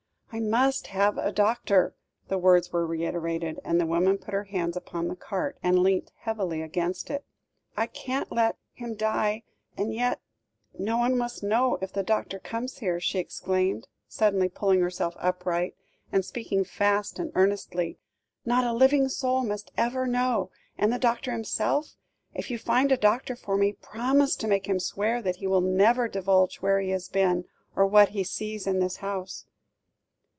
"I must have a doctor," the words were reiterated, and the woman put her hands upon the cart, and leant heavily against it. "I can't let him die and yet no one must know if the doctor comes here," she exclaimed, suddenly pulling herself upright, and speaking fast and earnestly; "not a living soul must ever know; and the doctor himself? If you find a doctor for me, promise to make him swear that he will never divulge where he has been, or what he sees in this house."